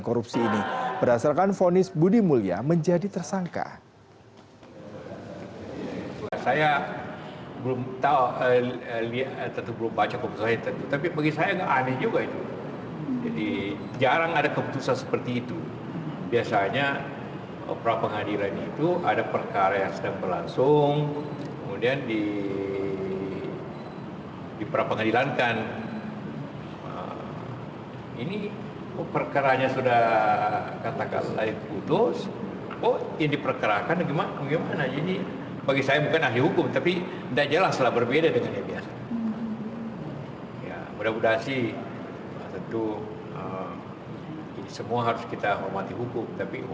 keputusan tersebut menjadi wonang hakim yang menyidangkan perkara dengan berbagai pertimbangan hukum